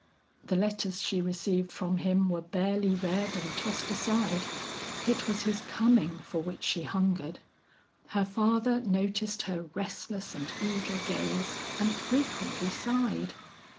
The letters she received from him were barely read and tossed aside; it was his coming for which she hungered. Her father noticed her restless and eager gaze, and frequently sighed.